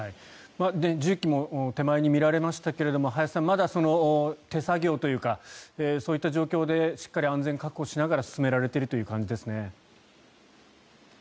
重機も手前に見られましたが林さん、まだ手作業というかそういった状況でしっかり安全確保しながら進められているという感じですね。